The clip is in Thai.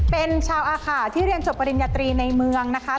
เป็นชาวอาขาที่เรียนจบปริญญาตรีในเมืองนะคะ